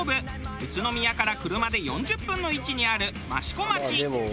宇都宮から車で４０分の位置にある益子町。